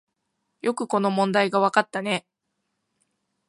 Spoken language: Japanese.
よくこの問題がわかったね